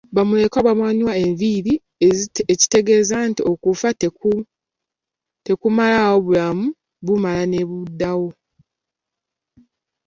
Ba mulekwa babamwa enviiri ekitegeeza nti okufa tekumalaawo bulamu, bumala ne buddawo.